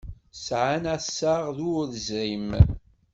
Sɛan assaɣ d urẓim.